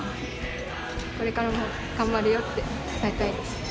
これからも頑張るよって伝えたいです。